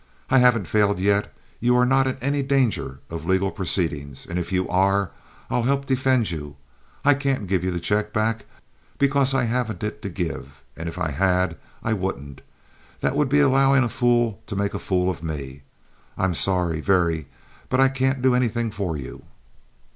I haven't failed yet. You are not in any danger of any legal proceedings; and if you are, I'll help defend you. I can't give you the check back because I haven't it to give; and if I had, I wouldn't. That would be allowing a fool to make a fool of me. I'm sorry, very, but I can't do anything for you."